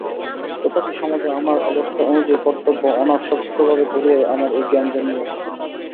তথাপি সমাজে আমার অবস্থা অনুযায়ী কর্তব্য অনাসক্তভাবে করিয়াই আমার এই জ্ঞান জন্মিয়াছে।